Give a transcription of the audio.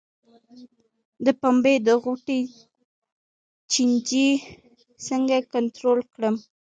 د پنبې د غوټې چینجی څنګه کنټرول کړم؟